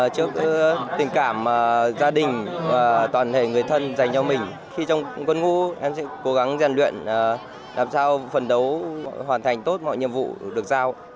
trước tình cảm gia đình và toàn thể người thân dành cho mình khi trong quân ngũ em sẽ cố gắng rèn luyện làm sao phần đấu hoàn thành tốt mọi nhiệm vụ được giao